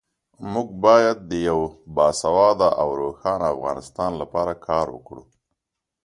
موږ باید د یو باسواده او روښانه افغانستان لپاره کار وکړو.